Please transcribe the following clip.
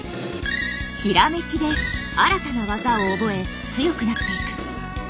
「閃き」で新たな技を覚え強くなっていく。